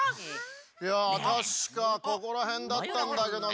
いやたしかここらへんだったんだけどな。